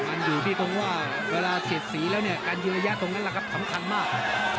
มันอยู่ที่ตรงว่าเวลาเสียดสีแล้วเนี่ยการยืนระยะตรงนั้นแหละครับสำคัญมาก